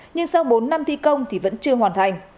nhưng sau bốn năm thi công thì vẫn chưa hoàn thành